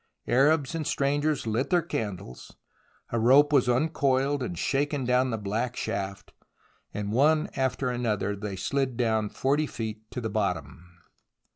Arabs and strangers lit their candles, a rope was uncoiled and shaken down the black shaft, and one after another they slid down 40 feet to the bottom.